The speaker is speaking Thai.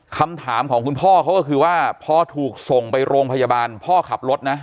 คำถามของคุณพ่อเขาก็คือว่าพอถูกส่งไปโรงพยาบาลพ่อขับรถนะ